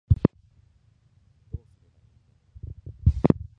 どうすればいいんだろう